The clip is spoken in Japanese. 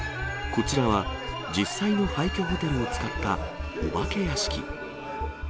こちらは実際の廃虚ホテルを使ったお化け屋敷。